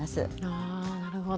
あなるほど。